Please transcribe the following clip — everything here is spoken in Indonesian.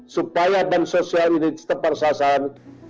supaya bantuan sosial ini tetap tersasaran